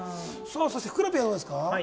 ふくらＰ、どうですか？